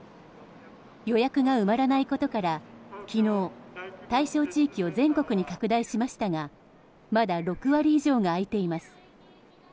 予約が埋まらないことから昨日、対象地域を全国に拡大しましたがまだ６割以上が空いています。